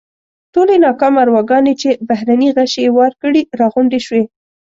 ټولې ناکامه ارواګانې چې بهرني غشي یې وار کړي راغونډې شوې.